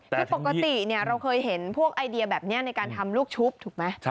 คือปกติเราเคยเห็นพวกไอเดียแบบนี้ในการทำลูกชุบถูกไหม